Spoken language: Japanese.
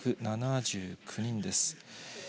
６７９人です。